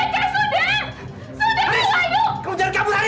kamu berani melawan aku ya